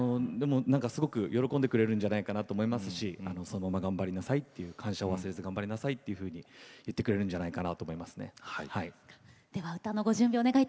すごく喜んでくれるんじゃないかなと思いますしそのまま頑張りなさいって感謝を忘れずに頑張りなさいって言ってくれるんじゃないかなと思います。